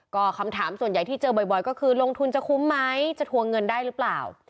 ก็คำถามส่วนใหญ่ที่เจอบ่อยก็คือลงทุนจะคุ้มไหมจะทวงเงินได้หรือเปล่า